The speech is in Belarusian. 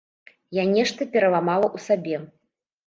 Я нешта пераламала ў сабе.